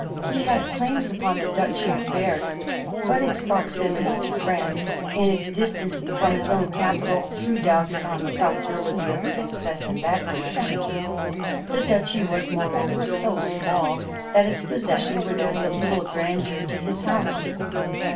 He had claims upon the duchy of Berg ; but its proximity to France and its distance from his own capital threw doubts upon the probability of his success in that direction. The duchy was, moreover, so small that its possession would add but little grandeur to his House.